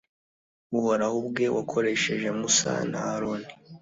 uhoraho ubwe wakoresheje musa na aroni